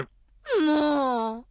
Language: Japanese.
もう。